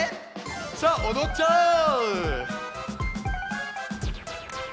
さあおどっちゃおう！